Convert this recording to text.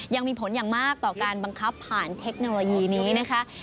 ยังมีผลอย่างมากต่อการบังคับผ่านเทคโนโลยีนี้นะคะ